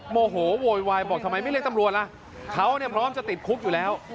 โมโหโวยวายบอกทำไมไม่เรียกตำรวจล่ะเขาเนี่ยพร้อมจะติดคุกอยู่แล้ว